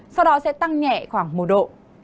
sau đó sẽ tăng nhẹ khoảng một độ